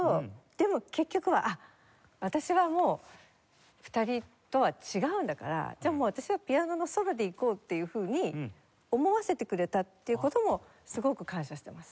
でも結局は「あっ私はもう２人とは違うんだからじゃあもう私はピアノのソロでいこう」っていうふうに思わせてくれたっていう事もすごく感謝してます。